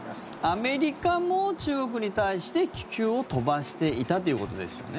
アメリカも、中国に対して気球を飛ばしていたということですよね？